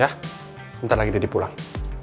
ya sebentar lagi saya pulang